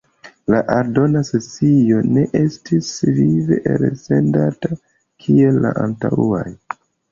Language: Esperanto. La aldona sesio ne estis vive elsendata kiel la antaŭaj.